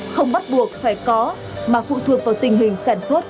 không bắt buộc phải có mà phụ thuộc vào tình hình sản xuất